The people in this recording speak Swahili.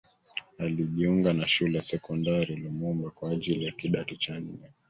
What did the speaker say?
Alijiunga na Shule ya Sekondari Lumumba kwa ajili ya Kidato cha Nne